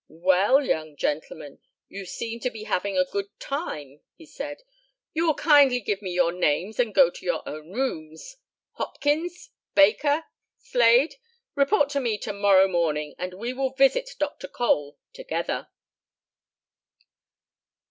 "Well, young gentlemen, you seem to be having a good time," he said. "You will kindly give me your names and go to your own rooms. Hopkins, Baker, Slade report to me to morrow morning, and we will visit Dr. Cole together!"